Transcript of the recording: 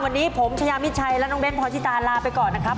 วันนี้ผมชายามิชัยและน้องเบ้นพรชิตาลาไปก่อนนะครับ